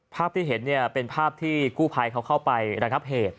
ภาพที่เห็นเป็นภาพที่กู้ภัยเขาเข้าไประงับเหตุ